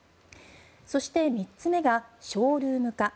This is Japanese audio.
そして３つ目がショールーム化。